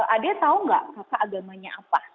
adek tau gak kakak agamanya apa